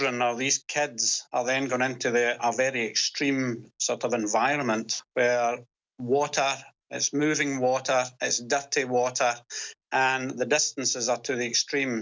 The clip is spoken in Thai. วันบอกปอมรอยหลายและเริ่มสภาพนะสำหรับจุดสูงแถม